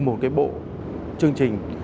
một cái bộ chương trình